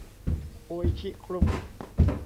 โออิชิ กรุ๊ป